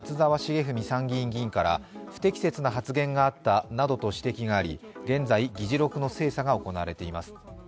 同じ日本維新の会の松沢成文参議院議員から不適切な発言があったなどと指摘があり、現在、議事録の精査が行われています。